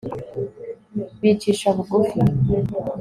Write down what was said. bicisha bugufi